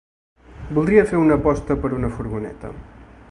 Voldria fer una aposta per una furgoneta.